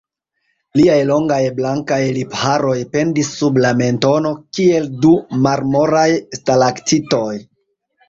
Liaj longaj blankaj lipharoj pendis sub la mentono kiel du marmoraj stalaktitoj.